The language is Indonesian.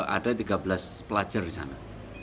ada tiga belas pelajar di sana